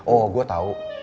oh gue tau